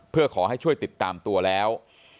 เพื่อขอให้ช่วยติดตามตัวแล้ว